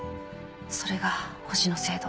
それが星の制度。